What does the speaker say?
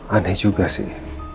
aneh juga sih